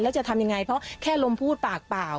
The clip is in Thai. แล้วจะทำยังไงเพราะแค่ลมพูดปากเปล่า